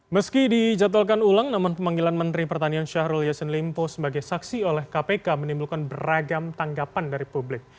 meski dijadwalkan ulang namun pemanggilan menteri pertanian syahrul yassin limpo sebagai saksi oleh kpk menimbulkan beragam tanggapan dari publik